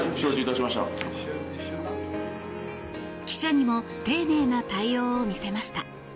記者にも丁寧な対応を見せました。